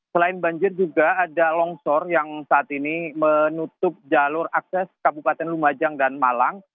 selain banjir juga ada longsor yang saat ini menutup jalur akses kabupaten lumajang dan malang